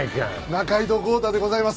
仲井戸豪太でございます。